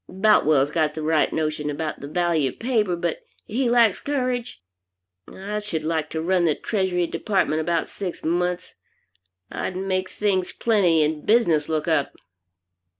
Boutwell's got the right notion about the value of paper, but he lacks courage. I should like to run the treasury department about six months. I'd make things plenty, and business look up.'"